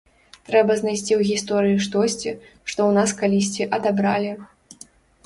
Трэба знайсці ў гісторыі штосьці, што ў нас калісьці адабралі.